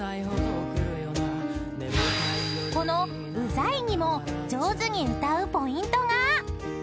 ［この「ウザい」にも上手に歌うポイントが］